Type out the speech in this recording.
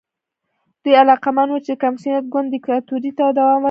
دوی علاقمند وو چې د کمونېست ګوند دیکتاتورۍ ته دوام ورکړي.